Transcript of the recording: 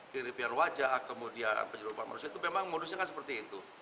kemiripan wajah kemudian penyeludupan manusia itu memang modusnya seperti itu